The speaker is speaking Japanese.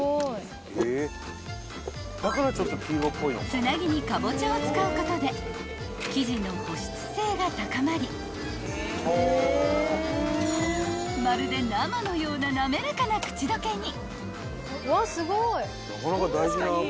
［つなぎにかぼちゃを使うことで生地の保湿性が高まりまるで生のような滑らかな口どけに］